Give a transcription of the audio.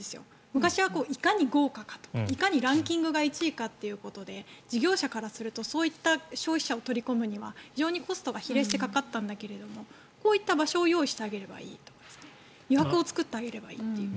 昔は、いかに豪華かとかいかにランキングが１位かということで事業者からするとそういった消費者を取り込むには非常にコストが比例してかかったんだけどこういった場所を用意してあげればいい余白を作ってあげればいいという。